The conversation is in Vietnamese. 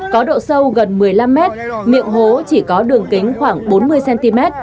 có độ sâu gần một mươi năm m miệng hố chỉ có đường kính khoảng bốn mươi cm